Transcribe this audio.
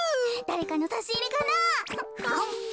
だれかのさしいれかな。